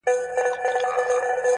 پوهېدل چي د منلو هر گز نه دي.!